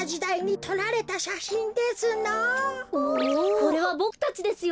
これはボクたちですよ。